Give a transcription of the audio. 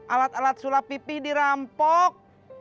alat alat sulap pipih dirampok